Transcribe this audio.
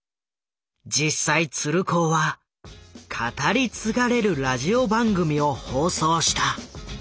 実際鶴光は語り継がれるラジオ番組を放送した。